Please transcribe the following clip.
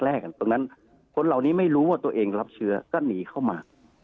ตรงนั้นคนเหล่านี้ไม่รู้ว่าตัวเองรับเชื้อก็หนีเข้ามา